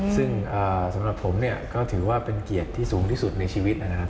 ซึ่งสำหรับผมก็ถือว่าเป็นเกียรติที่สูงที่สุดในชีวิตนะครับ